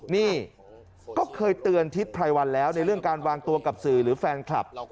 นี่ก็เคยเตือนทิศไพรวัลแล้วในเรื่องการวางตัวกับสื่อหรือแฟนคลับ